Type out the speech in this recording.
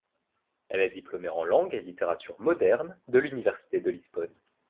Elle est diplômées en langues et littératures modernes de l'université de Lisbonne.